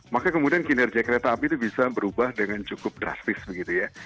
maka kemudian kinerja kereta api itu bisa berubah dengan cukup drastis begitu ya